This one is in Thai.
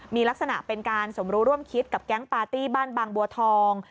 มีลักษณะเป็นการสมรู้ร่วมคิดกับแก๊งปาร์ตี้บ้านบางบัวทอง